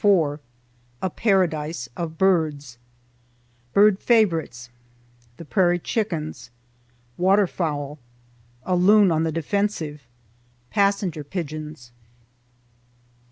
IVToC A PARADISE OF BIRDS Bird Favorites—The Prairie Chickens—Water Fowl—A Loon on the Defensive—Passenger Pigeons.